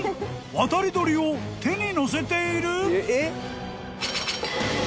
渡り鳥を手に乗せている！？］